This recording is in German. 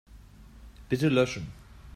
Bitte löschen.